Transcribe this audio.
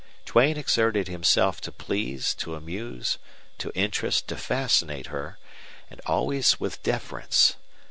Duane exerted himself to please, to amuse, to interest, to fascinate her, and always with deference.